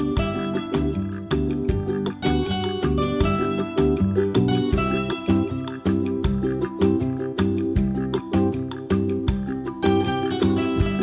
มีชิ้น